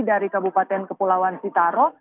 dari kabupaten kepulauan sitaro